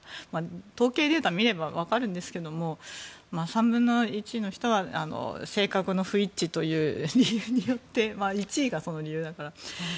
統計データを見れば分かるんですけど３分の１の人は性格の不一致という理由によって１位がその理由だから。